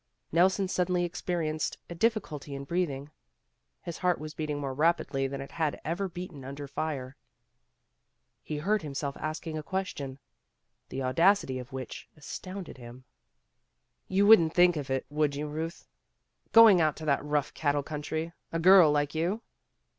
Nelson suddenly experienced a difficulty in breathing. His heart was beating more rapidly than it had ever beaten under fire. He heard himself asking a question, the audacity of which astounded him. 142 PEGGY RAYMOND'S WAY "You wouldn't think of it, would you, Euth, going out to that rough cattle country, a girl like you!"